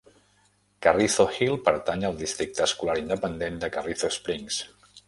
Carrizo Hill pertany al districte escolar independent de Carrizo Springs.